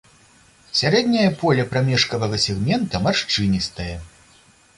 Сярэдняе поле прамежкавага сегмента маршчыністае.